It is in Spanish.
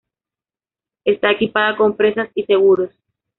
Está equipada con presas y seguros.